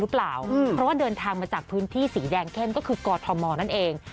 หรือเปล่าเพราะว่าเดินทางมาจากพื้นที่สีแดงเข้มก็คือกอทมนั่นเอง